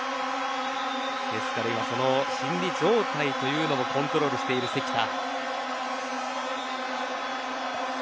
ですから今その心理状態というのもコントロールしている関田。